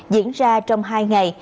diễn ra trong hai ngày